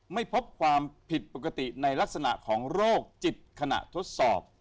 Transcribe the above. ไม่พบความผิดปกติในลักษณะของโรคจิตขณะทดสอบ